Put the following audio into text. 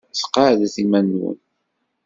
Sqeɛdet iman-nwen.